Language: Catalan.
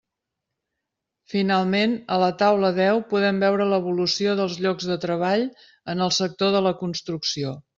Finalment, a la taula deu podem veure l'evolució dels llocs de treball en el sector de la construcció.